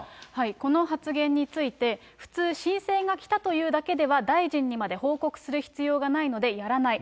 この発言について、普通、申請が来たというだけでは大臣にまで報告する必要がないので、やらない。